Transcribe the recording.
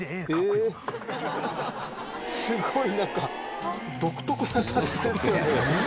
すごいなんか独特なタッチですよね。